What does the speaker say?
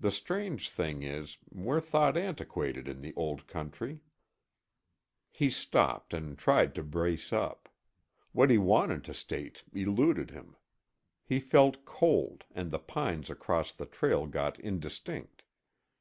The strange thing is, we're thought antiquated in the Old Country " He stopped and tried to brace up. What he wanted to state eluded him. He felt cold and the pines across the trail got indistinct.